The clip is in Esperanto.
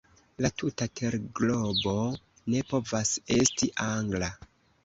La tuta terglobo ne povas esti Angla.